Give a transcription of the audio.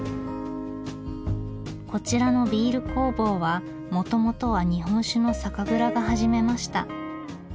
こちらのビール工房はもともとは日本酒の酒蔵が始めました。